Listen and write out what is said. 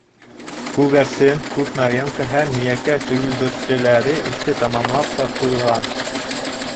Күгәрсен, Кушнаренко һәм Миәкә сөгөлдөрсөләре эште тамамлап та ҡуйған.